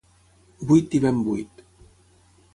Buit i ben buit.